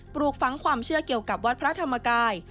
ปลูกฝังความเชื่อเกี่ยวกับวัดพระธรรมกาย